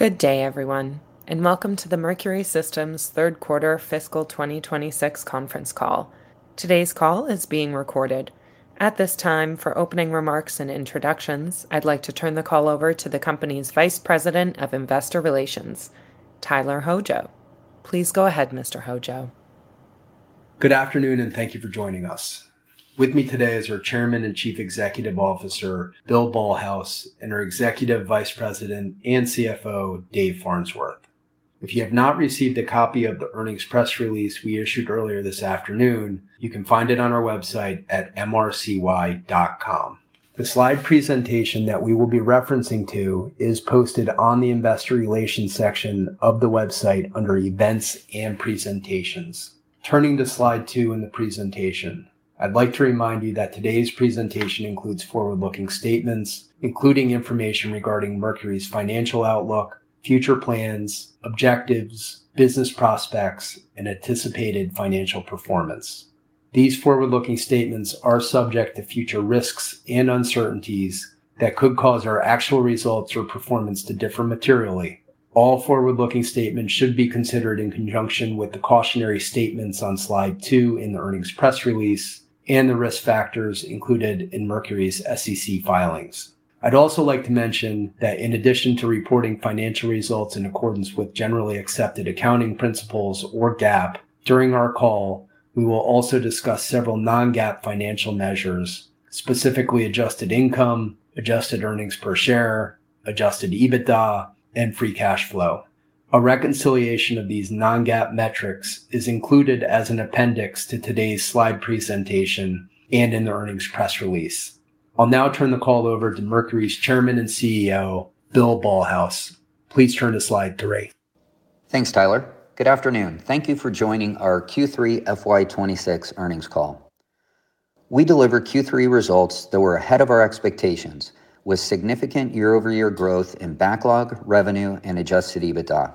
Good day, everyone, and welcome to the Mercury Systems third quarter fiscal 2026 conference call. Today's call is being recorded. At this time, for opening remarks and introductions, I'd like to turn the call over to the company's Vice President of Investor Relations, Tyler Hojo. Please go ahead, Mr. Hojo. Good afternoon, and thank you for joining us. With me today is our Chairman and Chief Executive Officer, Bill Ballhaus, and our Executive Vice President and Chief Financial Officer, Dave Farnsworth. If you have not received a copy of the earnings press release we issued earlier this afternoon, you can find it on our website at mrcy.com. The slide presentation that we will be referencing to is posted on the Investor Relations section of the website under Events and Presentations. Turning to slide two in the presentation, I'd like to remind you that today's presentation includes forward-looking statements, including information regarding Mercury's financial outlook, future plans, objectives, business prospects, and anticipated financial performance. These forward-looking statements are subject to future risks and uncertainties that could cause our actual results or performance to differ materially. All forward-looking statements should be considered in conjunction with the cautionary statements on slide two in the earnings press release and the risk factors included in Mercury Systems' SEC filings. I'd also like to mention that in addition to reporting financial results in accordance with generally accepted accounting principles or GAAP, during our call, we will also discuss several non-GAAP financial measures, specifically Adjusted Income, Adjusted Earnings Per Share, adjusted EBITDA, and Free Cash Flow. A reconciliation of these non-GAAP metrics is included as an appendix to today's slide presentation and in the earnings press release. I'll now turn the call over to Mercury Systems' Chairman and Chief Executive Officer, Bill Ballhaus. Please turn to slide three. Thanks, Tyler. Good afternoon. Thank Thank you for joining our Q3 FY 2026 earnings call. We delivered Q3 results that were ahead of our expectations with significant year-over-year growth in backlog, revenue, and adjusted EBITDA.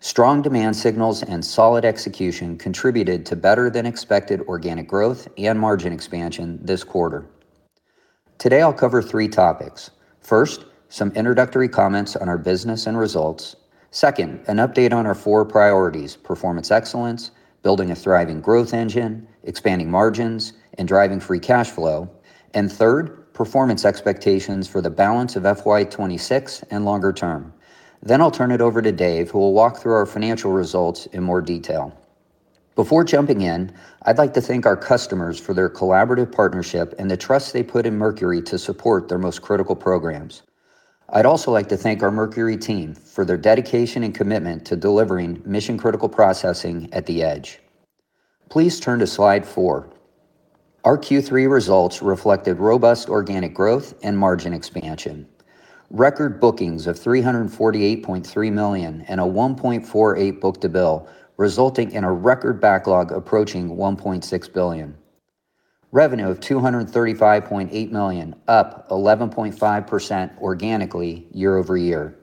Strong demand signals and solid execution contributed to better-than-expected organic growth and margin expansion this quarter. Today, I'll cover three topics. First, some introductory comments on our business and results. Second, an update on our four priorities: performance excellence, building a thriving growth engine, expanding margins, and driving Free Cash Flow. Third, performance expectations for the balance of FY 2026 and longer term. I'll turn it over to Dave, who will walk through our financial results in more detail. Before jumping in, I'd like to thank our customers for their collaborative partnership and the trust they put in Mercury to support their most critical programs. I'd also like to thank our Mercury team for their dedication and commitment to delivering mission-critical processing at the edge. Please turn to slide four. Our Q3 results reflected robust organic growth and margin expansion. Record bookings of $348.3 million and a 1.48 book-to-bill, resulting in a record backlog approaching $1.6 billion. Revenue of $235.8 million, up 11.5% organically year-over-year.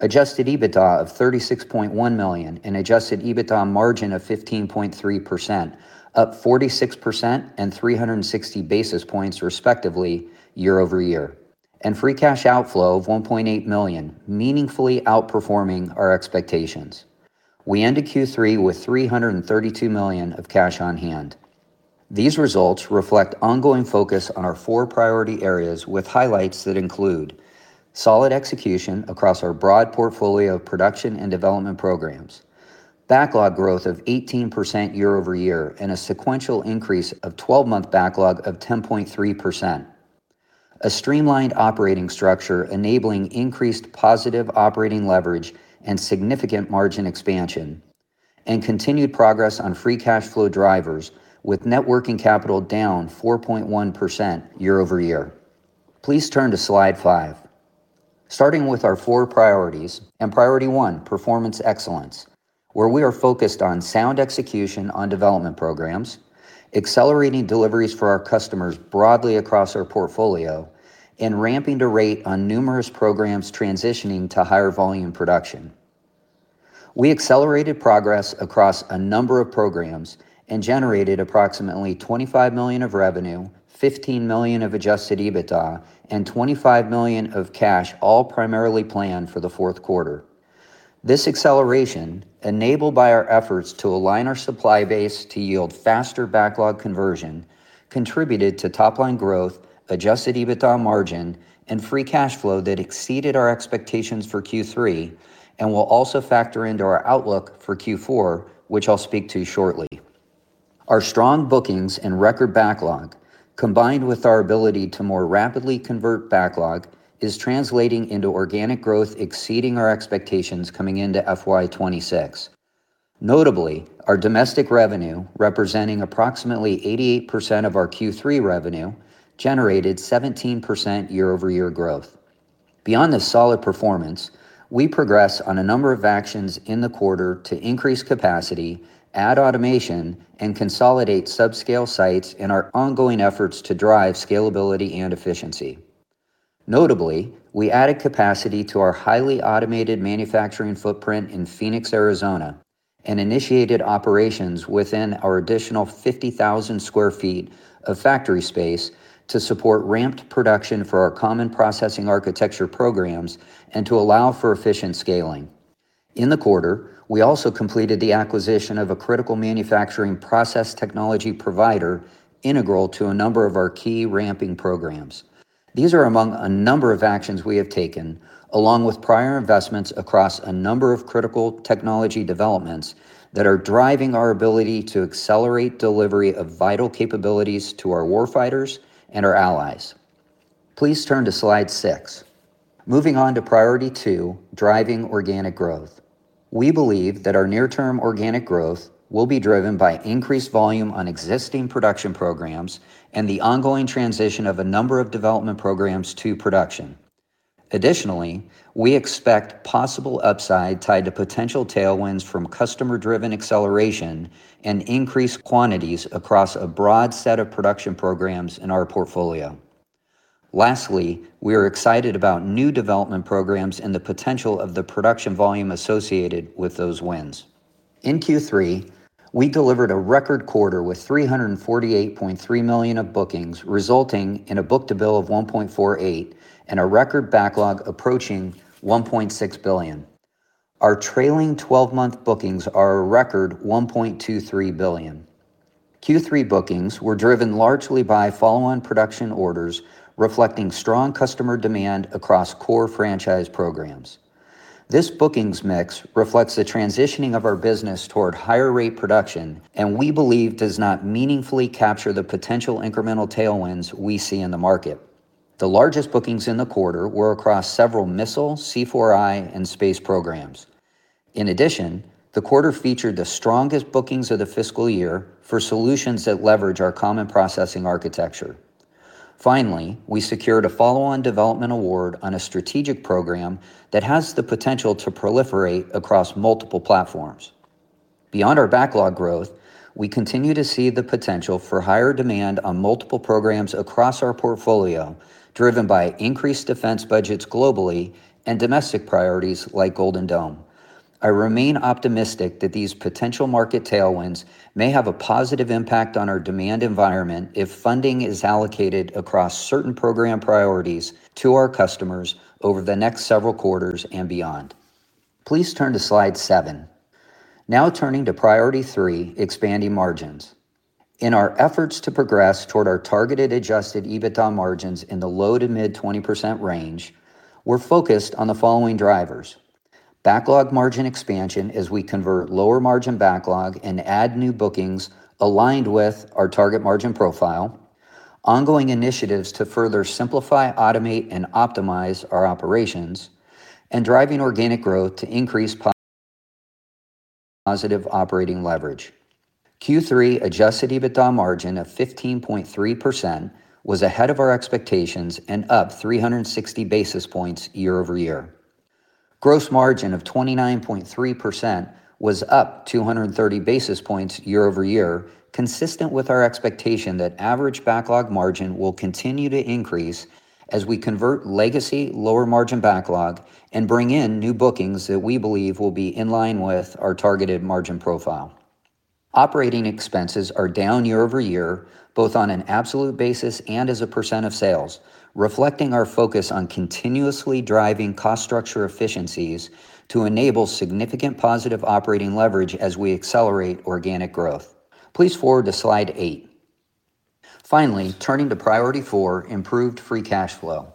adjusted EBITDA of $36.1 million and adjusted EBITDA margin of 15.3%, up 46% and 360 basis points respectively year-over-year. Free cash outflow of $1.8 million, meaningfully outperforming our expectations. We ended Q3 with $332 million of cash on hand. These results reflect ongoing focus on our four priority areas with highlights that include solid execution across our broad portfolio of production and development programs, backlog growth of 18% year-over-year and a sequential increase of 12-month backlog of 10.3%, a streamlined operating structure enabling increased positive operating leverage and significant margin expansion, and continued progress on Free Cash Flow drivers with Net Working Capital down 4.1% year-over-year. Please turn to slide five. Starting with our four priorities and priority one, performance excellence, where we are focused on sound execution on development programs, accelerating deliveries for our customers broadly across our portfolio, and ramping to rate on numerous programs transitioning to higher volume production. We accelerated progress across a number of programs and generated approximately $25 million of revenue, $15 million of adjusted EBITDA, and $25 million of cash all primarily planned for the fourth quarter. This acceleration, enabled by our efforts to align our supply base to yield faster backlog conversion, contributed to top-line growth, adjusted EBITDA margin, and Free Cash Flow that exceeded our expectations for Q3 and will also factor into our outlook for Q4, which I'll speak to shortly. Our strong bookings and record backlog, combined with our ability to more rapidly convert backlog, is translating into organic growth exceeding our expectations coming into FY 2026. Notably, our domestic revenue, representing approximately 88% of our Q3 revenue, generated 17% year-over-year growth. Beyond this solid performance, we progressed on a number of actions in the quarter to increase capacity, add automation, and consolidate subscale sites in our ongoing efforts to drive scalability and efficiency. Notably, we added capacity to our highly automated manufacturing footprint in Phoenix, Arizona and initiated operations within our additional 50,000sq ft of factory space to support ramped production for our Common Processing Architecture programs and to allow for efficient scaling. In the quarter, we also completed the acquisition of a critical manufacturing process technology provider integral to a number of our key ramping programs. These are among a number of actions we have taken, along with prior investments across a number of critical technology developments that are driving our ability to accelerate delivery of vital capabilities to our warfighters and our allies. Please turn to slide six. Moving on to priority two, driving organic growth. We believe that our near-term organic growth will be driven by increased volume on existing production programs and the ongoing transition of a number of development programs to production. Additionally, we expect possible upside tied to potential tailwinds from customer-driven acceleration and increased quantities across a broad set of production programs in our portfolio. Lastly, we are excited about new development programs and the potential of the production volume associated with those wins. In Q3, we delivered a record quarter with $348.3 million of bookings, resulting in a book-to-bill of 1.48 and a record backlog approaching $1.6 billion. Our trailing 12-month bookings are a record $1.23 billion. Q3 bookings were driven largely by follow-on production orders reflecting strong customer demand across core franchise programs. This bookings mix reflects the transitioning of our business toward higher rate production and we believe does not meaningfully capture the potential incremental tailwinds we see in the market. The largest bookings in the quarter were across several missile, C4I, and space programs. In addition, the quarter featured the strongest bookings of the fiscal year for solutions that leverage our Common Processing Architecture. Finally, we secured a follow-on development award on a strategic program that has the potential to proliferate across multiple platforms. Beyond our backlog growth, we continue to see the potential for higher demand on multiple programs across our portfolio, driven by increased defense budgets globally and domestic priorities like Golden Dome. I remain optimistic that these potential market tailwinds may have a positive impact on our demand environment if funding is allocated across certain program priorities to our customers over the next several quarters and beyond. Please turn to slide seven. Now turning to priority three, expanding margins. In our efforts to progress toward our targeted adjusted EBITDA margins in the low to mid 20% range, we're focused on the following drivers. Backlog margin expansion as we convert lower margin backlog and add new bookings aligned with our target margin profile, ongoing initiatives to further simplify, automate, and optimize our operations, and driving organic growth to increase positive operating leverage. Q3 adjusted EBITDA margin of 15.3% was ahead of our expectations and up 360 basis points year-over-year. Gross margin of 29.3% was up 230 basis points year-over-year, consistent with our expectation that average backlog margin will continue to increase as we convert legacy lower margin backlog and bring in new bookings that we believe will be in line with our targeted margin profile. Operating expenses are down year-over-year, both on an absolute basis and as a percentage of sales, reflecting our focus on continuously driving cost structure efficiencies to enable significant positive operating leverage as we accelerate organic growth. Please forward to slide eight. Finally, turning to priority 4, improved Free Cash Flow.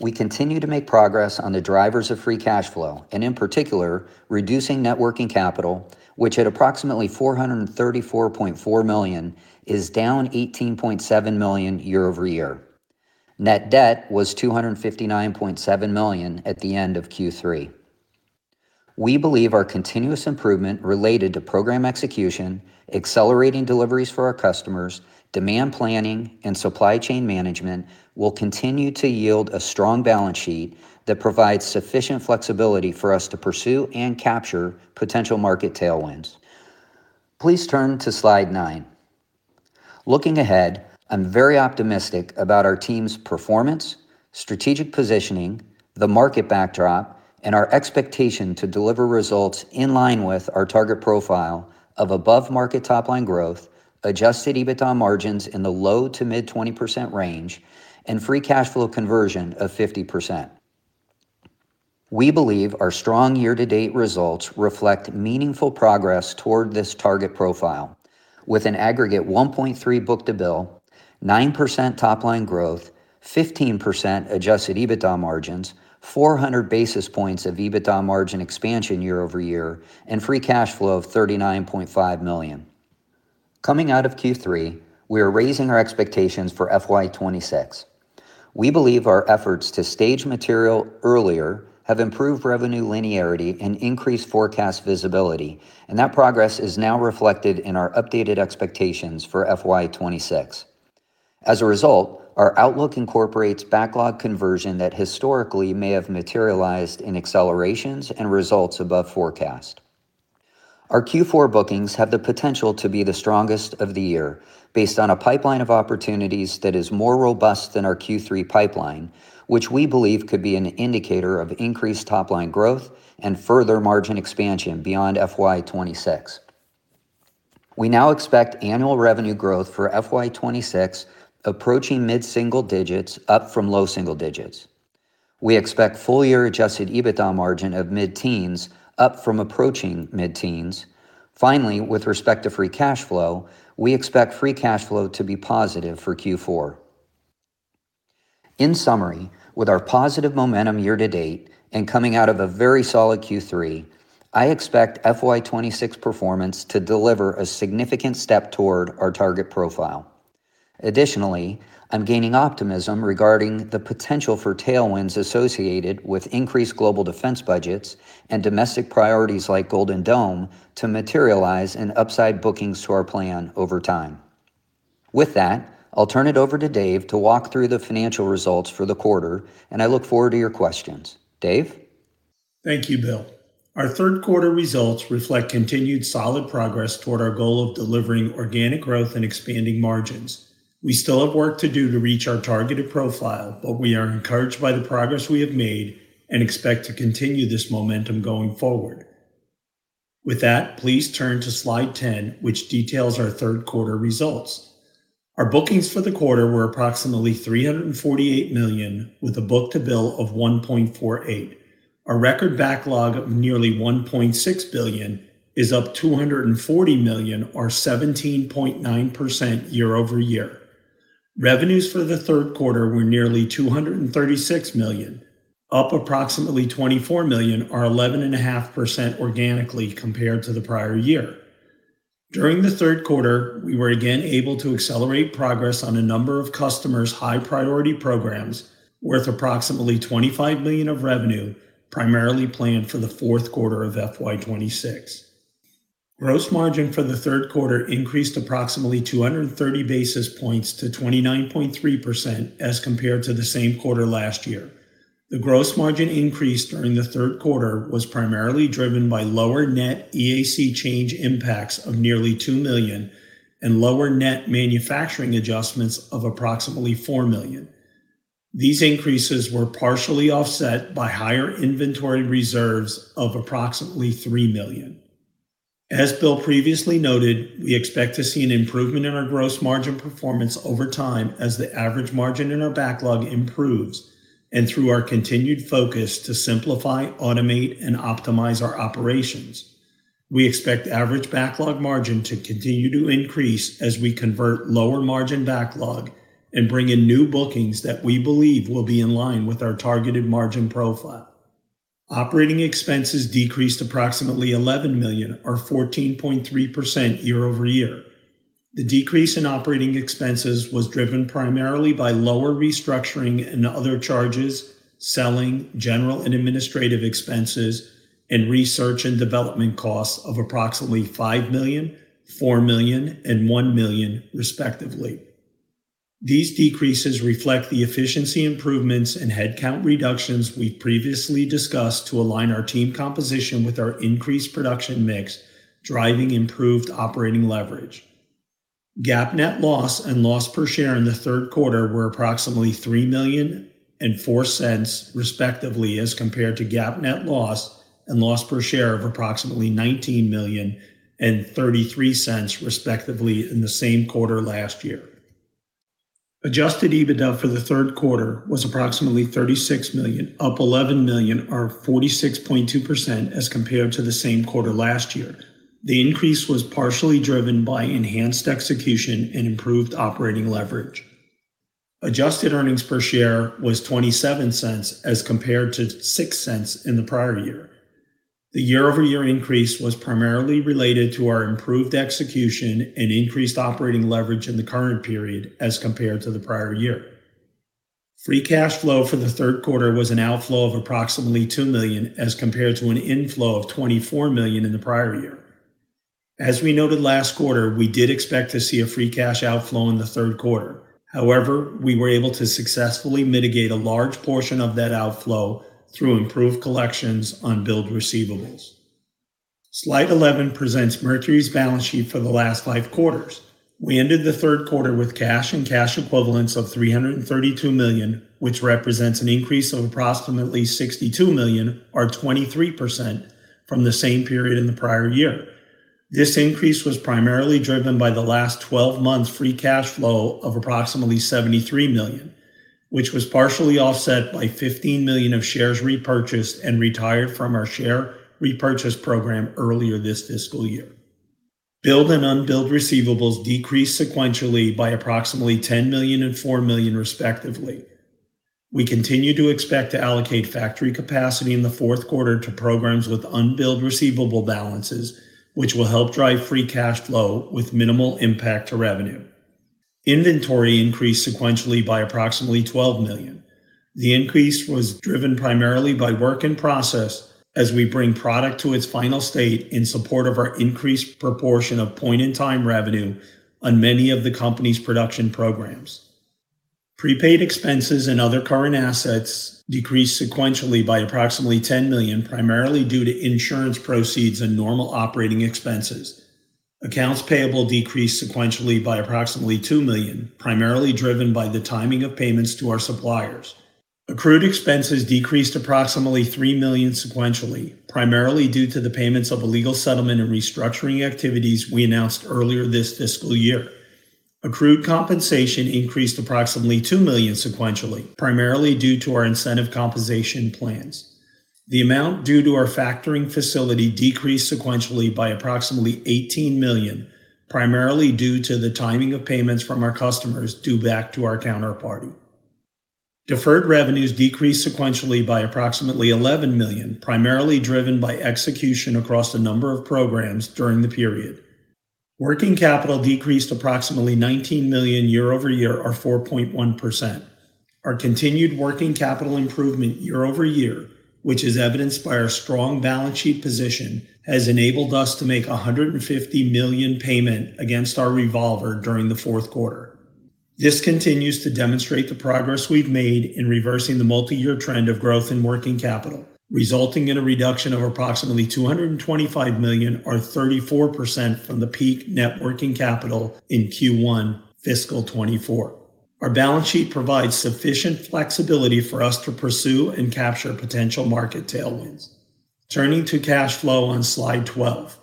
We continue to make progress on the drivers of Free Cash Flow, and in particular, reducing Net Working Capital, which at approximately $434.4 million is down $18.7 million year-over-year. Net debt was $259.7 million at the end of Q3. We believe our continuous improvement related to program execution, accelerating deliveries for our customers, demand planning, and supply chain management will continue to yield a strong balance sheet that provides sufficient flexibility for us to pursue and capture potential market tailwinds. Please turn to slide nine. Looking ahead, I am very optimistic about our team's performance, strategic positioning, the market backdrop, and our expectation to deliver results in line with our target profile of above-market top-line growth, adjusted EBITDA margins in the low to mid-20% range, and Free Cash Flow conversion of 50%. We believe our strong year-to-date results reflect meaningful progress toward this target profile, with an aggregate 1.3 book-to-bill, 9% top-line growth, 15% adjusted EBITDA margins, 400 basis points of EBITDA margin expansion year-over-year, and Free Cash Flow of $39.5 million. Coming out of Q3, we are raising our expectations for FY 2026. We believe our efforts to stage material earlier have improved revenue linearity and increased forecast visibility. That progress is now reflected in our updated expectations for FY 2026. As a result, our outlook incorporates backlog conversion that historically may have materialized in accelerations and results above forecast. Our Q4 bookings have the potential to be the strongest of the year, based on a pipeline of opportunities that is more robust than our Q3 pipeline, which we believe could be an indicator of increased top-line growth and further margin expansion beyond FY 2026. We now expect annual revenue growth for FY 2026 approaching mid-single digits up from low single digits. We expect full-year adjusted EBITDA margin of mid-teens up from approaching mid-teens. Finally, with respect to Free Cash Flow, we expect Free Cash Flow to be positive for Q4. In summary, with our positive momentum year to date and coming out of a very solid Q3, I expect FY 2026 performance to deliver a significant step toward our target profile. Additionally, I'm gaining optimism regarding the potential for tailwinds associated with increased global defense budgets and domestic priorities like Golden Dome to materialize in upside bookings to our plan over time. With that, I'll turn it over to Dave to walk through the financial results for the quarter, and I look forward to your questions. Dave? Thank you, Bill. Our Third Quarter results reflect continued solid progress toward our goal of delivering organic growth and expanding margins. We still have work to do to reach our targeted profile, but we are encouraged by the progress we have made and expect to continue this momentum going forward. With that, please turn to slide 10, which details our Third Quarter results. Our bookings for the quarter were approximately $348 million, with a book-to-bill of 1.48. Our record backlog of nearly $1.6 billion is up $240 million or 17.9% year-over-year. Revenues for the third Quarter were nearly $236 million, up approximately $24 million or 11.5% organically compared to the prior year. During the third quarter, we were again able to accelerate progress on a number of customers' high-priority programs worth approximately $25 million of revenue, primarily planned for the fourth quarter of FY 2026. Gross margin for the third quarter increased approximately 230 basis points to 29.3% as compared to the same quarter last year. The gross margin increase during the third quarter was primarily driven by lower net EAC change impacts of nearly $2 million and lower net manufacturing adjustments of approximately $4 million. These increases were partially offset by higher inventory reserves of approximately $3 million. As Bill previously noted, we expect to see an improvement in our gross margin performance over time as the average margin in our backlog improves and through our continued focus to simplify, automate, and optimize our operations. We expect average backlog margin to continue to increase as we convert lower margin backlog and bring in new bookings that we believe will be in line with our targeted margin profile. Operating expenses decreased approximately $11 million or 14.3% year-over-year. The decrease in operating expenses was driven primarily by lower restructuring and other charges, selling, general and administrative expenses, and research and development costs of approximately $5 million, $4 million, and $1 million, respectively. These decreases reflect the efficiency improvements and headcount reductions we've previously discussed to align our team composition with our increased production mix, driving improved operating leverage. GAAP net loss and loss per share in the third quarter were approximately $3 million and $0.04, respectively, as compared to GAAP net loss and loss per share of approximately $19 million and $0.33, respectively, in the same quarter last year. Adjusted EBITDA for the third quarter was approximately $36 million, up $11 million or 46.2% as compared to the same quarter last year. The increase was partially driven by enhanced execution and improved operating leverage. Adjusted Earnings Per Share was $0.27 as compared to $0.06 in the prior year. The year-over-year increase was primarily related to our improved execution and increased operating leverage in the current period as compared to the prior year. Free Cash Flow for the third quarter was an outflow of approximately $2 million as compared to an inflow of $24 million in the prior year. As we noted last quarter, we did expect to see a Free Cash Flow outflow in the third quarter. We were able to successfully mitigate a large portion of that outflow through improved collections on billed receivables. Slide 11 presents Mercury's balance sheet for the last five quarters. We ended the third quarter with cash and cash equivalents of $332 million, which represents an increase of approximately $62 million or 23% from the same period in the prior year. This increase was primarily driven by the last 12 months' Free Cash Flow of approximately $73 million, which was partially offset by $15 million of shares repurchased and retired from our share repurchase program earlier this fiscal year. Billed and unbilled receivables decreased sequentially by approximately $10 million and $4 million, respectively. We continue to expect to allocate factory capacity in the fourth quarter to programs with unbilled receivable balances, which will help drive Free Cash Flow with minimal impact to revenue. Inventory increased sequentially by approximately $12 million. The increase was driven primarily by work in process as we bring product to its final state in support of our increased proportion of point-in-time revenue on many of the company's production programs. Prepaid expenses and other current assets decreased sequentially by approximately $10 million, primarily due to insurance proceeds and normal operating expenses. Accounts payable decreased sequentially by approximately $2 million, primarily driven by the timing of payments to our suppliers. Accrued expenses decreased approximately $3 million sequentially, primarily due to the payments of a legal settlement and restructuring activities we announced earlier this fiscal year. Accrued compensation increased approximately $2 million sequentially, primarily due to our incentive compensation plans. The amount due to our factoring facility decreased sequentially by approximately $18 million, primarily due to the timing of payments from our customers due back to our counterparty. Deferred revenues decreased sequentially by approximately $11 million, primarily driven by execution across a number of programs during the period. Working capital decreased approximately $19 million year-over-year or 4.1%. Our continued working capital improvement year-over-year, which is evidenced by our strong balance sheet position, has enabled us to make a $150 million payment against our revolver during the fourth quarter. This continues to demonstrate the progress we've made in reversing the multi-year trend of growth in working capital, resulting in a reduction of approximately $225 million or 34% from the peak Net Working Capital in Q1 Fiscal 2024. Our balance sheet provides sufficient flexibility for us to pursue and capture potential market tailwinds. Turning to cash flow on slide 12.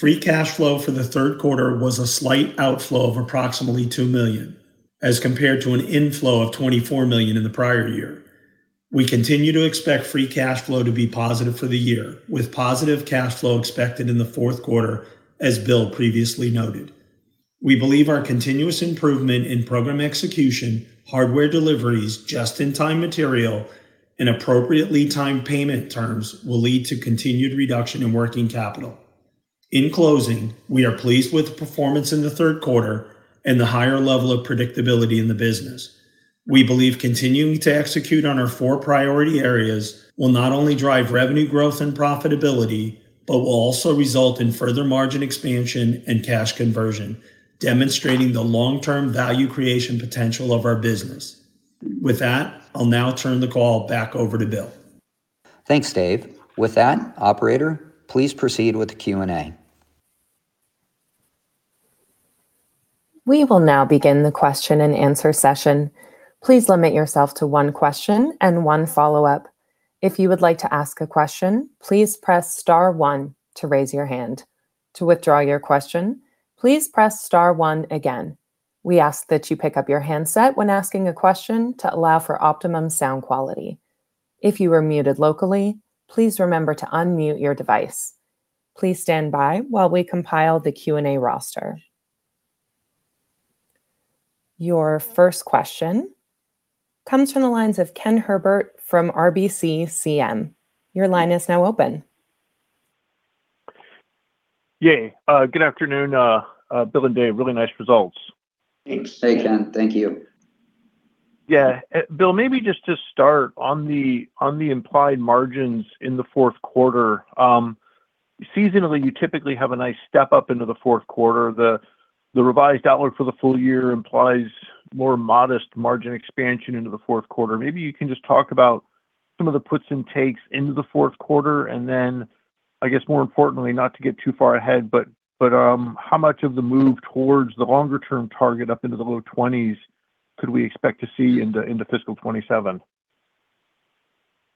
Free Cash Flow for the third quarter was a slight outflow of approximately $2 million, as compared to an inflow of $24 million in the prior year. We continue to expect Free Cash Flow to be positive for the year, with positive cash flow expected in the fourth quarter, as Bill previously noted. We believe our continuous improvement in program execution, hardware deliveries, just-in-time material, and appropriate lead time payment terms will lead to continued reduction in Net Working Capital. In closing, we are pleased with the performance in the third quarter and the higher level of predictability in the business. We believe continuing to execute on our four priority areas will not only drive revenue growth and profitability, but will also result in further margin expansion and cash conversion, demonstrating the long-term value creation potential of our business. With that, I'll now turn the call back over to Bill. Thanks, Dave. With that, operator, please proceed with the Q&A. We will now begin the question-and-answer session. Please limit yourself to one question and one follow-up. If you would like to ask a question, please press star one to raise your hand. To withdraw your question, please press star one again. We ask that you pick up your handset when asking a question to allow for optimum sound quality. If you are muted locally, please remember to unmute your device. Please stand by while we compile the Q&A roster. Your first question comes from the lines of Ken Herbert from RBCCM. Your line is now open. Yay. Good afternoon, Bill and Dave? Really nice results. Thanks. Hey, Ken. Thank you. Bill, maybe just to start on the implied margins in the fourth quarter. Seasonally, you typically have a nice step up into the fourth quarter. The revised outlook for the full year implies more modest margin expansion into the fourth quarter. Maybe you can just talk about some of the puts and takes into the fourth quarter, and then I guess more importantly, not to get too far ahead, how much of the move towards the longer term target up into the low 20s could we expect to see in the fiscal 2027?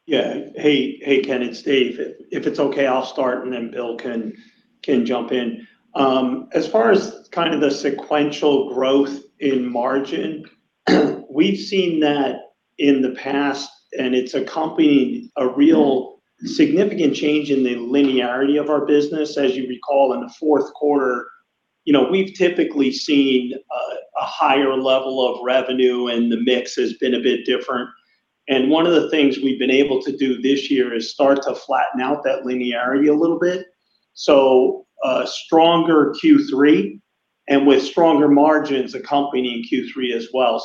Yeah. Hey, Ken, it's Dave. If it's okay, I'll start and then Bill can jump in. As far as kind of the sequential growth in margin, we've seen that in the past, and it's accompanied a real significant change in the linearity of our business. As you recall, in the fourth quarter, you know, we've typically seen a higher level of revenue, and the mix has been a bit different. One of the things we've been able to do this year is start to flatten out that linearity a little bit. Stronger Q3, with stronger margins accompanying Q3 as well.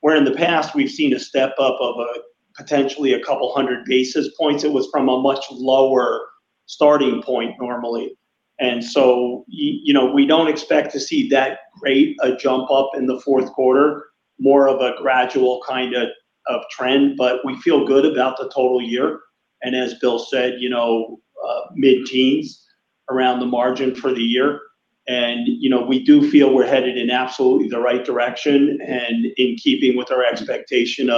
Where in the past we've seen a step up of a potentially a couple hundred basis points, it was from a much lower starting point normally. You know, we don't expect to see that great a jump up in the fourth quarter, more of a gradual kinda of trend, but we feel good about the total year. As Bill said, you know, mid-teens around the margin for the year. You know, we do feel we're headed in absolutely the right direction and in keeping with our expectation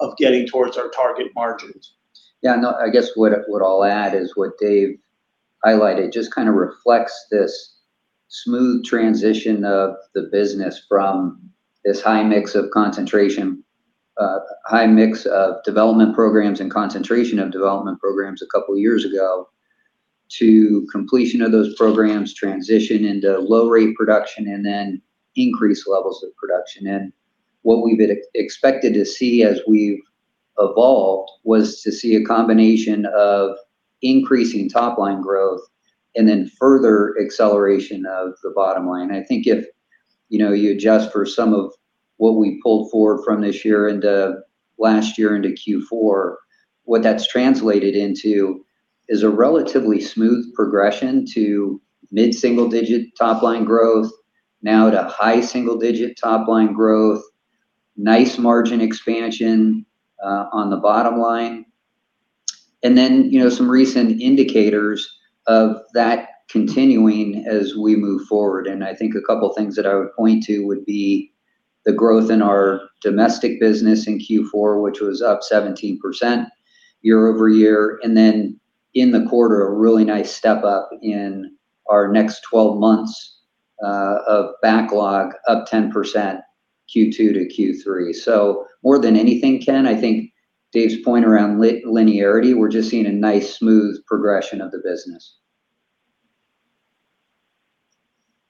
of getting towards our target margins. Yeah, no, I guess what I'll add is what Dave highlighted, just kind of reflects this smooth transition of the business from this high mix of concentration, high mix of development programs and concentration of development programs a couple years ago, to completion of those programs, transition into low-rate production, and then increased levels of production. What we've expected to see as we've evolved was to see a combination of increasing top-line growth and then further acceleration of the bottom line. I think if, you know, you adjust for some of what we pulled forward from this year into last year into Q4, what that's translated into is a relatively smooth progression to mid-single-digit top-line growth now to high single-digit top-line growth, nice margin expansion on the bottom line. Then, you know, some recent indicators of that continuing as we move forward. I think a couple things that I would point to would be the growth in our domestic business in Q4, which was up 17% year-over-year. In the quarter, a really nice step-up in our next 12 months of backlog, up 10% Q2 to Q3. More than anything, Ken, I think Dave's point around linearity, we're just seeing a nice, smooth progression of the business.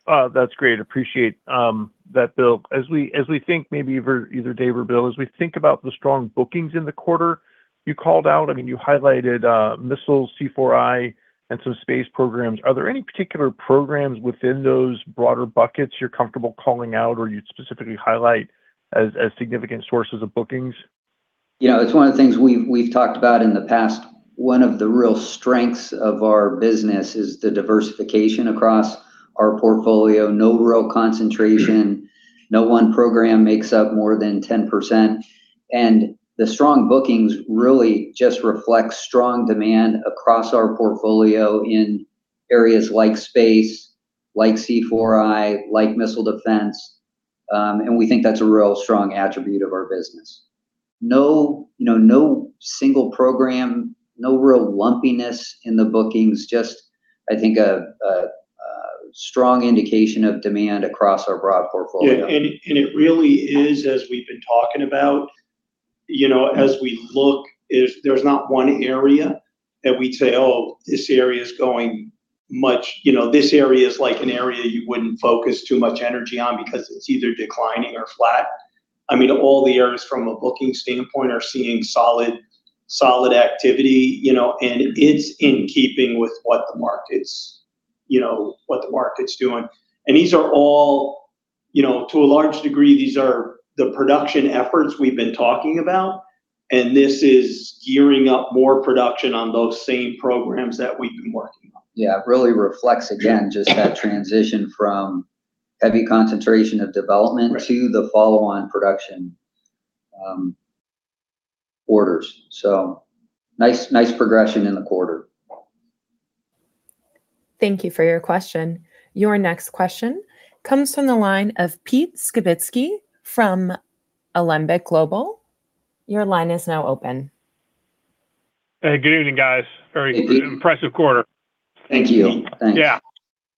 That's great. Appreciate that, Bill. As we think maybe either Dave or Bill, as we think about the strong bookings in the quarter, you called out, I mean, you highlighted, missiles, C4I, and some space programs. Are there any particular programs within those broader buckets you're comfortable calling out or you'd specifically highlight as significant sources of bookings? You know, it's one of the things we've talked about in the past. One of the real strengths of our business is the diversification across our portfolio. No real concentration. No one program makes up more than 10%. The strong bookings really just reflect strong demand across our portfolio in areas like space, like C4I, like missile defense. We think that's a real strong attribute of our business. You know, no single program, no real lumpiness in the bookings. Just, I think, a strong indication of demand across our broad portfolio. Yeah, it, and it really is, as we've been talking about, you know, as we look, is there's not one area that we'd say, Oh, this area's going much, you know, this area is like an area you wouldn't focus too much energy on because it's either declining or flat. I mean, all the areas from a booking standpoint are seeing solid activity, you know, and it's in keeping with what the market's, you know, what the market's doing. These are all, you know, to a large degree, these are the production efforts we've been talking about, and this is gearing up more production on those same programs that we've been working on. Yeah, really reflects, again, just that transition from heavy concentration of development to the follow-on production orders. Nice progression in the quarter. Thank you for your question. Your next question comes from the line of Pete Skibitski from Alembic Global, your line is now open. Hey, good evening, guys. Very impressive quarter. Thank you. Thank you. Yeah.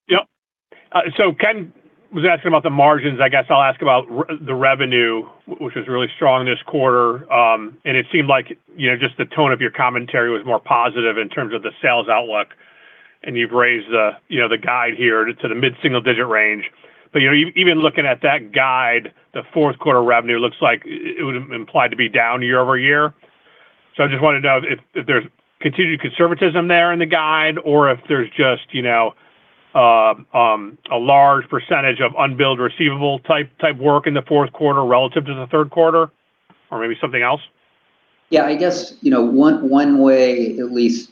Yep. Ken was asking about the margins. I guess I'll ask about the revenue, which was really strong this quarter. It seemed like, you know, just the tone of your commentary was more positive in terms of the sales outlook, and you've raised the, you know, the guide here to the mid-single digit range. You know, even looking at that guide, the fourth quarter revenue looks like it would imply to be down year-over-year. I just wanted to know if there's continued conservatism there in the guide or if there's just, you know, a large percentage of unbilled receivable type work in the fourth quarter relative to the third quarter, or maybe something else. I guess, you know, one way at least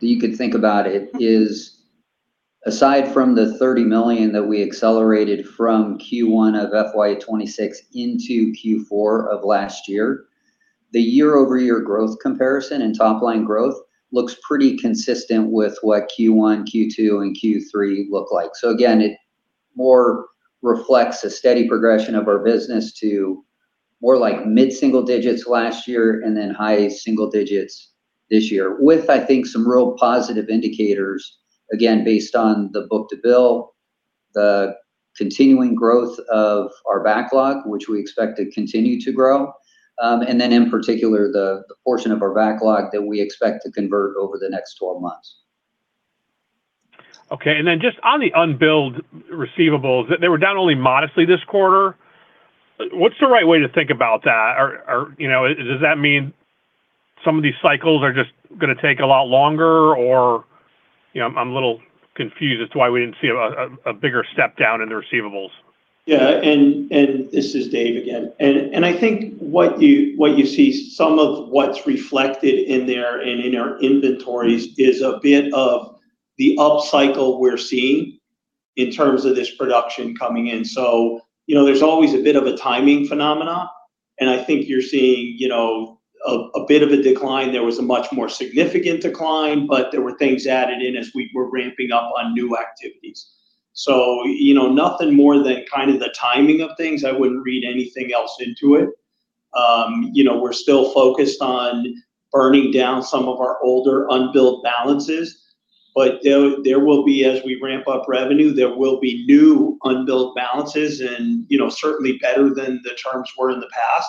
that you could think about it is aside from the $30 million that we accelerated from Q1 of FY 2026 into Q4 of last year, the year-over-year growth comparison and top line growth looks pretty consistent with what Q1, Q2, and Q3 look like. Again, it more reflects a steady progression of our business to more like mid-single digits last year and then high single digits this year, with, I think, some real positive indicators, again, based on the book-to-bill, the continuing growth of our backlog, which we expect to continue to grow, and then in particular, the portion of our backlog that we expect to convert over the next 12 months. Okay. Just on the unbilled receivables, they were down only modestly this quarter. What's the right way to think about that? Or, you know, does that mean some of these cycles are just gonna take a lot longer? You know, I'm a little confused as to why we didn't see a bigger step down in the receivables. Yeah. This is Dave again. I think what you, what you see, some of what's reflected in there and in our inventories is a bit of the upcycle we're seeing in terms of this production coming in. you know, there's always a bit of a timing phenomena, and I think you're seeing, you know, a bit of a decline. There was a much more significant decline, but there were things added in as we were ramping up on new activities. you know, nothing more than kind of the timing of things. I wouldn't read anything else into it. you know, we're still focused on burning down some of our older unbilled balances. there will be, as we ramp up revenue, there will be new unbilled balances and, you know, certainly better than the terms were in the past.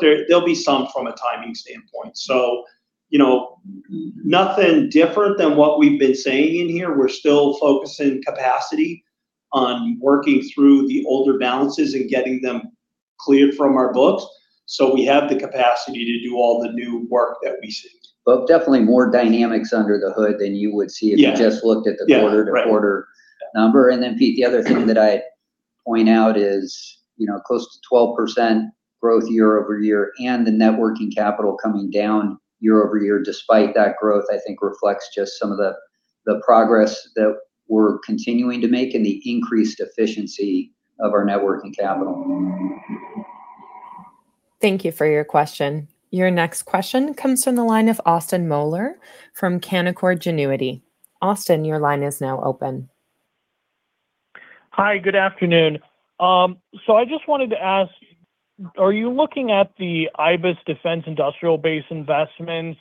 There'll be some from a timing standpoint. You know, nothing different than what we've been saying in here. We're still focusing capacity on working through the older balances and getting them cleared from our books, so we have the capacity to do all the new work that we see. Well, definitely more dynamics under the hood than you would see. Yeah if you just looked at Yeah. Right. quarter-to-quarter number. Pete, the other thing that I'd point out is, you know, close to 12% growth year-over-year, and the Net Working Capital coming down year-over-year despite that growth, I think reflects just some of the progress that we're continuing to make and the increased efficiency of our Net Working Capital. Thank you for your question. Your next question comes from the line of Austin Moeller from Canaccord Genuity. Austin, your line is now open. Hi, good afternoon? I just wanted to ask, are you looking at the IBAS defense industrial base investments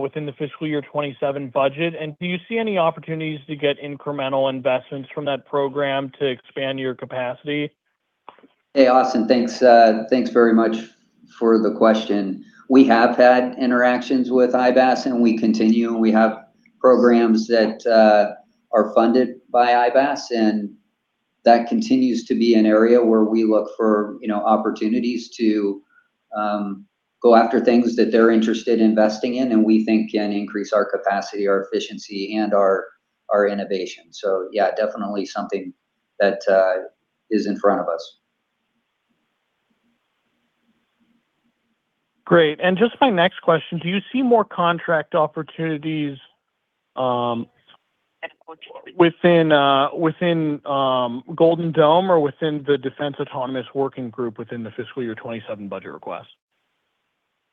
within the fiscal year 2027 budget? Do you see any opportunities to get incremental investments from that program to expand your capacity? Hey, Austin. Thanks, thanks very much for the question. We have had interactions with IBAS, and we continue. We have programs that are funded by IBAS, and that continues to be an area where we look for, you know, opportunities to go after things that they're interested in investing in, and we think can increase our capacity, our efficiency, and our innovation. Yeah, definitely something that is in front of us. Great. Just my next question, do you see more contract opportunities, within Golden Dome or within the Defense Autonomous Working Group within the fiscal year 2027 budget request?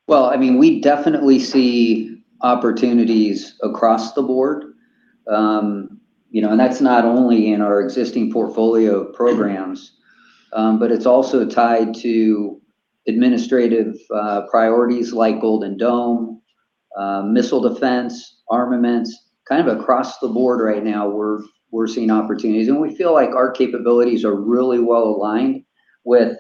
Well, I mean, we definitely see opportunities across the board. You know, that's not only in our existing portfolio of programs, but it's also tied to administrative priorities like Golden Dome, missile defense, armaments. Kind of across the board right now we're seeing opportunities. We feel like our capabilities are really well aligned with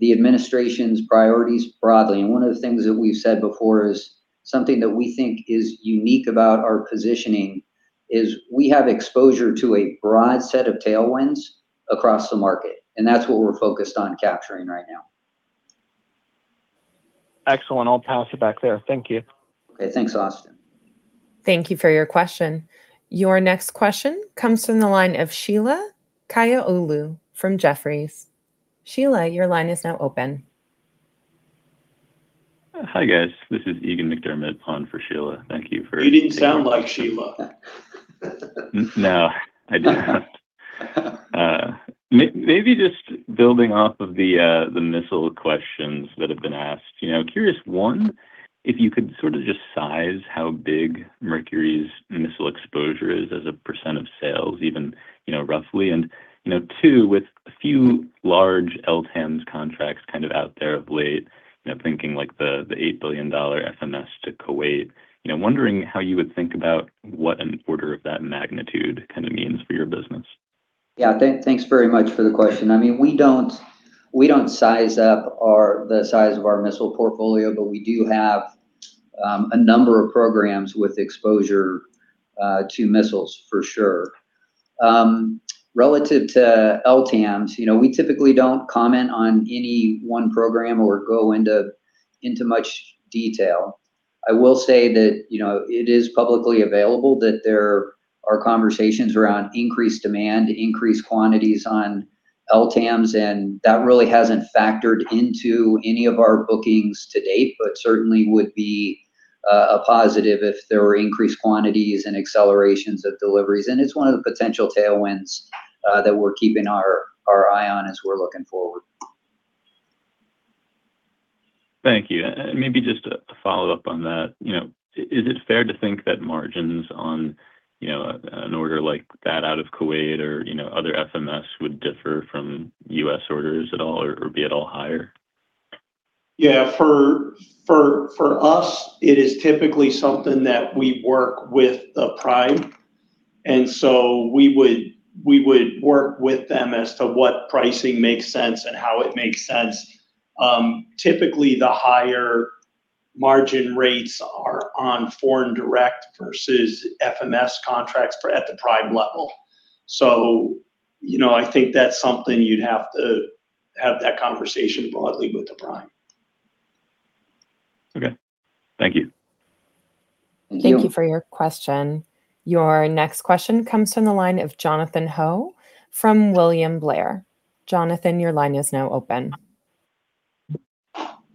the administration's priorities broadly. One of the things that we've said before is, something that we think is unique about our positioning is we have exposure to a broad set of tailwinds across the market, and that's what we're focused on capturing right now. Excellent. I'll pass it back there. Thank you. Okay. Thanks, Austin. Thank you for your question. Your next question comes from the line of Sheila Kahyaoglu from Jefferies. Sheila, your line is now open. Hi, guys. This is Eagan McDermott on for Sheila. You didn't sound like Sheila. No, I did not. Maybe just building off of the missile questions that have been asked. You know, curious, one, if you could sort of just size how big Mercury's missile exposure is as a percent of sales, even, you know, roughly. Two, with a few large LTAMDS contracts kind of out there of late, thinking like the $8 billion FMS to Kuwait, wondering how you would think about what an order of that magnitude kind of means for your business. Yeah. Thanks very much for the question. I mean, we don't size up the size of our missile portfolio, but we do have a number of programs with exposure to missiles for sure. Relative to LTAMDS, you know, we typically don't comment on any one program or go into much detail. I will say that, you know, it is publicly available that there are conversations around increased demand, increased quantities on LTAMDS, that really hasn't factored into any of our bookings to date. Certainly would be a positive if there were increased quantities and accelerations of deliveries. It's one of the potential tailwinds that we're keeping our eye on as we're looking forward. Thank you. Maybe just to follow up on that, you know, is it fair to think that margins on, you know, an order like that out of Kuwait or, you know, other FMS would differ from U.S. orders at all or be at all higher? Yeah. For us, it is typically something that we work with the prime, we would work with them as to what pricing makes sense and how it makes sense. Typically the higher margin rates are on foreign direct versus FMS contracts for at the prime level. You know, I think that's something you'd have to have that conversation broadly with the prime. Okay. Thank you. Thank you. Thank you for your question. Your next question comes from the line of Jonathan Ho from William Blair. Jonathan, your line is now open.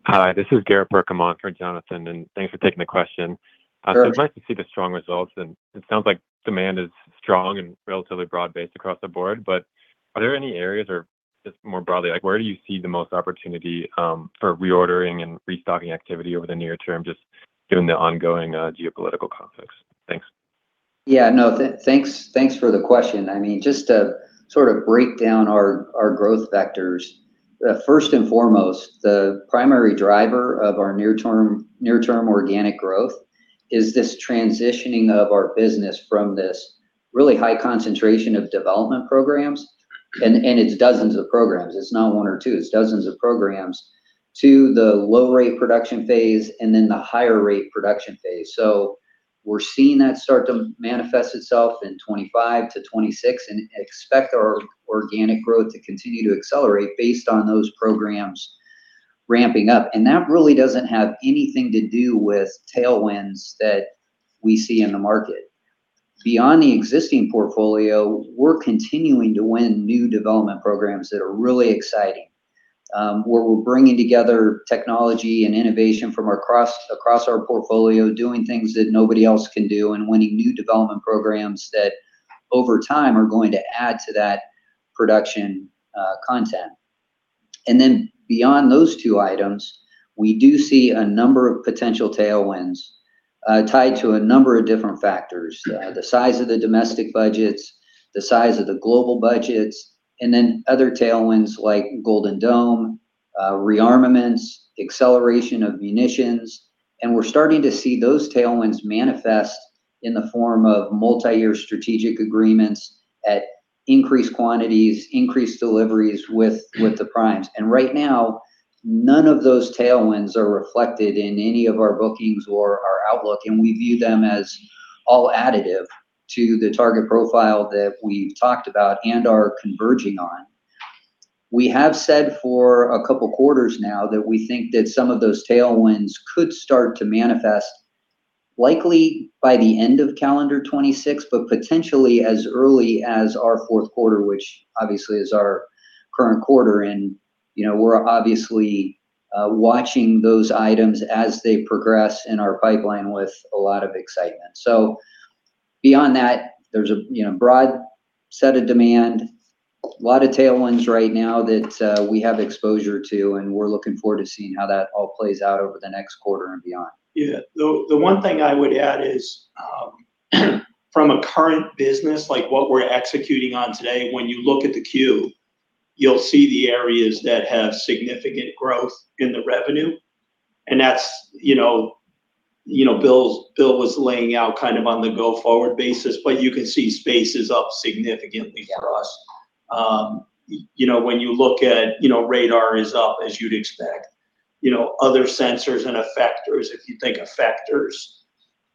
Hi, this is Garrett Berkowitz on for Jonathan, and thanks for taking the question. Sure. It's nice to see the strong results, and it sounds like demand is strong and relatively broad-based across the board. Are there any areas, or just more broadly, like where do you see the most opportunity, for reordering and restocking activity over the near term just given the ongoing, geopolitical conflicts? Thanks. Yeah, no, thanks for the question. I mean, just to sort of break down our growth vectors, first and foremost, the primary driver of our near term organic growth is this transitioning of our business from this really high concentration of development programs, and it's dozens of programs. It's not one or two, it's dozens of programs, to the low-rate production phase and then the higher-rate production phase. We're seeing that start to manifest itself in 2025-2026, and expect our organic growth to continue to accelerate based on those programs ramping up. That really doesn't have anything to do with tailwinds that we see in the market. Beyond the existing portfolio, we're continuing to win new development programs that are really exciting, where we're bringing together technology and innovation from across our portfolio, doing things that nobody else can do, and winning new development programs over time are going to add to that production, content. Beyond those two items, we do see a number of potential tailwinds, tied to a number of different factors. The size of the domestic budgets, the size of the global budgets, other tailwinds like Golden Dome, rearmaments, acceleration of munitions. We're starting to see those tailwinds manifest in the form of multi-year strategic agreements at increased quantities, increased deliveries with the primes. Right now, none of those tailwinds are reflected in any of our bookings or our outlook, and we view them as all additive to the target profile that we've talked about and are converging on. We have said for a couple quarters now that we think that some of those tailwinds could start to manifest likely by the end of calendar 2026, but potentially as early as our fourth quarter, which obviously is our current quarter. You know, we're obviously watching those items as they progress in our pipeline with a lot of excitement. Beyond that, there's a, you know, broad set of demand, a lot of tailwinds right now that we have exposure to, and we're looking forward to seeing how that all plays out over the next quarter and beyond. Yeah. The one thing I would add is, from a current business, like what we're executing on today, when you look at the queue, you'll see the areas that have significant growth in the revenue, and that's, you know, Bill was laying out kind of on the go-forward basis. You can see space is up significantly for us. Yeah. You know, when you look at, you know, radar is up as you'd expect. You know, other sensors and effectors, if you think effectors,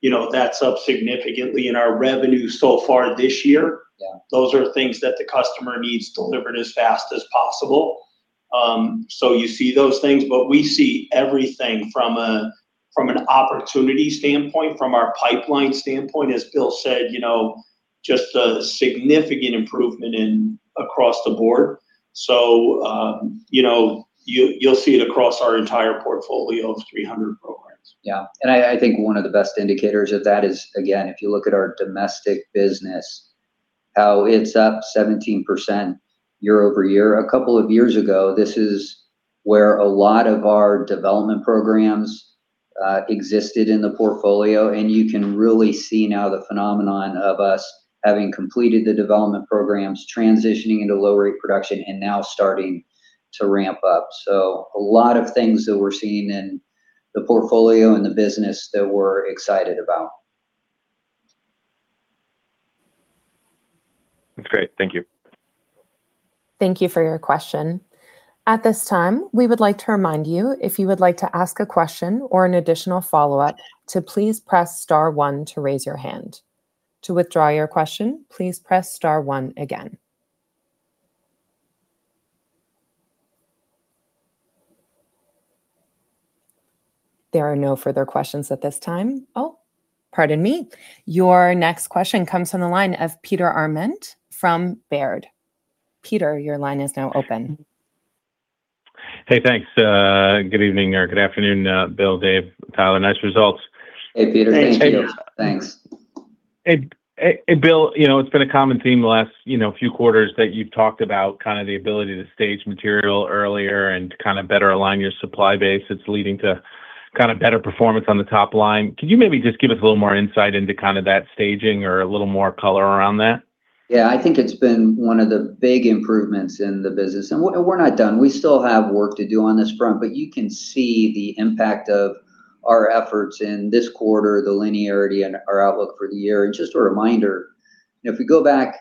you know, that's up significantly in our revenue so far this year. Yeah. Those are things that the customer needs delivered as fast as possible. You see those things. We see everything from a, from an opportunity standpoint, from our pipeline standpoint, as Bill said, you know, just a significant improvement in across the board. You know, you'll see it across our entire portfolio of 300 programs. Yeah. I think one of the best indicators of that is, again, if you look at our domestic business, how it's up 17% year-over-year. A couple of years ago, this is where a lot of our development programs existed in the portfolio, you can really see now the phenomenon of us having completed the development programs, transitioning into low rate production, and now starting to ramp up. A lot of things that we're seeing in the portfolio and the business that we're excited about. That's great. Thank you. Thank you for your question. At this time, we would like to remind you if you would like to ask a question or an additional follow-up, to please press star one to raise your hand. To withdraw your question, please press star one again. There are no further questions at this time. Oh, pardon me. Your next question comes from the line of Peter Arment from Baird. Peter, your line is now open. Hey, thanks. Good evening, or good afternoon, Bill, Dave, Tyler? Nice results. Hey, Peter. Hey, Peter. Thanks. Bill, you know, it's been a common theme the last, you know, few quarters that you've talked about kind of the ability to stage material earlier and kind of better align your supply base. It's leading to kind of better performance on the top line. Can you maybe just give us a little more insight into kind of that staging or a little more color around that? Yeah. I think it's been one of the big improvements in the business, and we're not done. We still have work to do on this front. You can see the impact of our efforts in this quarter, the linearity, and our outlook for the year. Just a reminder, you know, if we go back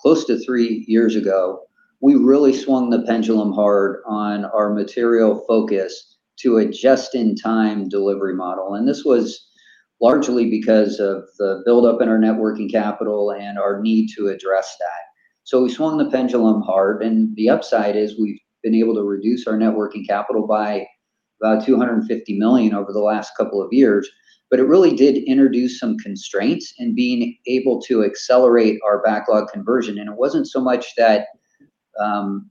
close to three years ago, we really swung the pendulum hard on our material focus to a just-in-time delivery model. This was largely because of the buildup in our Net Working Capital and our need to address that. We swung the pendulum hard, and the upside is we've been able to reduce our Net Working Capital by about $250 million over the last couple of years. It really did introduce some constraints in being able to accelerate our backlog conversion. It wasn't so much that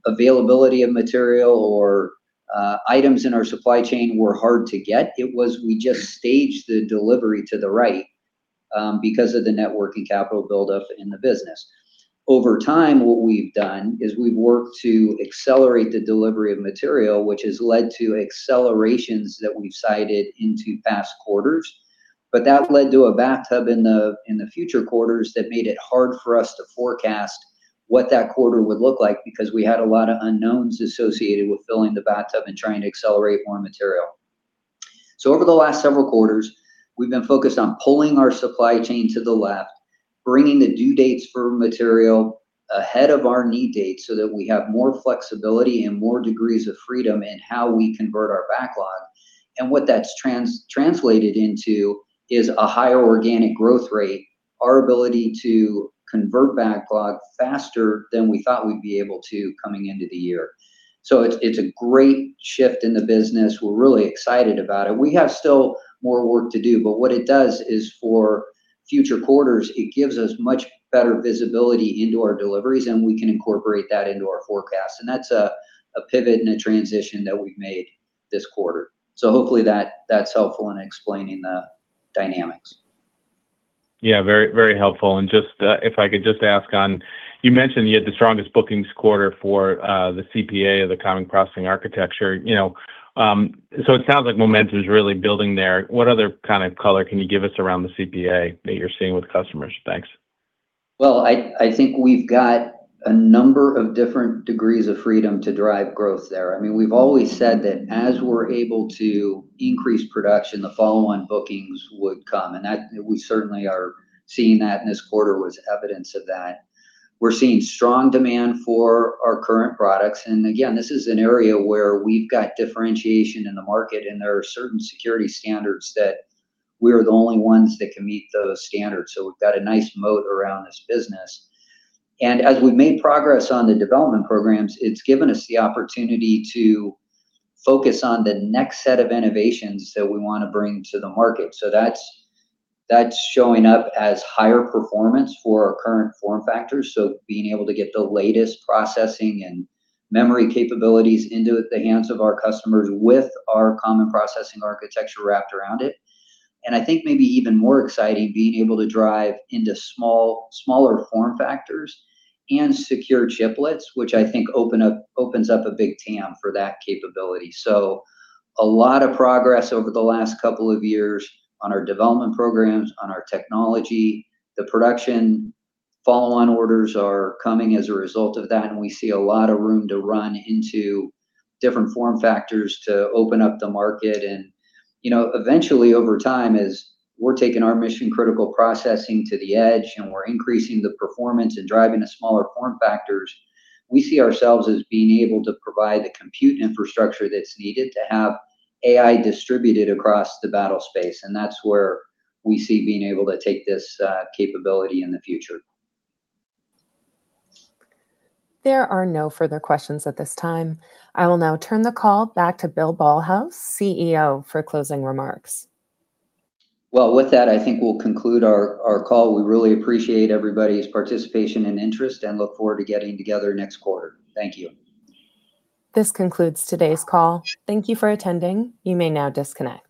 availability of material or items in our supply chain were hard to get. It was, we just staged the delivery to the right because of the Net Working Capital buildup in the business. Over time, what we've done is we've worked to accelerate the delivery of material, which has led to accelerations that we've cited into past quarters. That led to a bathtub in the, in the future quarters that made it hard for us to forecast what that quarter would look like, because we had a lot of unknowns associated with filling the bathtub and trying to accelerate more material. Over the last several quarters, we've been focused on pulling our supply chain to the left, bringing the due dates for material ahead of our need date so that we have more flexibility and more degrees of freedom in how we convert our backlog. What that's translated into is a higher organic growth rate, our ability to convert backlog faster than we thought we'd be able to coming into the year. It's a great shift in the business. We're really excited about it. We have still more work to do, what it does is for future quarters, it gives us much better visibility into our deliveries, and we can incorporate that into our forecast. That's a pivot and a transition that we've made this quarter. Hopefully that's helpful in explaining the dynamics. Yeah, very, very helpful. Just, if I could just ask on, you mentioned you had the strongest bookings quarter for the CPA or the Common Processing Architecture, you know. It sounds like momentum's really building there. What other kind of color can you give us around the CPA that you're seeing with customers? Thanks. Well, I think we've got a number of different degrees of freedom to drive growth there. I mean, we've always said that as we're able to increase production, the follow-on bookings would come, and that we certainly are seeing that, and this quarter was evidence of that. We're seeing strong demand for our current products. Again, this is an area where we've got differentiation in the market, and there are certain security standards that we're the only ones that can meet those standards. We've got a nice moat around this business. As we've made progress on the development programs, it's given us the opportunity to focus on the next set of innovations that we wanna bring to the market. That's showing up as higher performance for our current form factors, so being able to get the latest processing and memory capabilities into the hands of our customers with our Common Processing Architecture wrapped around it. I think maybe even more exciting, being able to drive into smaller form factors and secure chiplets, which I think opens up a big TAM for that capability. A lot of progress over the last couple of years on our development programs, on our technology. The production follow-on orders are coming as a result of that, and we see a lot of room to run into different form factors to open up the market. You know, eventually, over time, as we're taking our mission-critical processing to the edge and we're increasing the performance and driving the smaller form factors, we see ourselves as being able to provide the compute infrastructure that's needed to have AI distributed across the battle space, and that's where we see being able to take this capability in the future. There are no further questions at this time. I will now turn the call back to Bill Ballhaus, CEO, for closing remarks. Well, with that, I think we'll conclude our call. We really appreciate everybody's participation and interest, and look forward to getting together next quarter. Thank you. This concludes today's call. Thank you for attending, you may now disconnect.